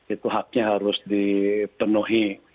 itu haknya harus dipenuhi